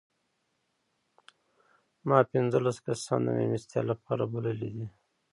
ما پنځلس کسان د مېلمستیا لپاره بللي دي.